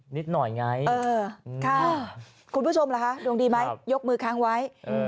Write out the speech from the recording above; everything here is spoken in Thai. นิดหน่อยไงคุณผู้ชมล่ะคะดวงดีไหมยกมือค้างไว้